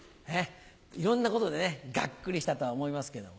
いろんなことでガックリしたとは思いますけども。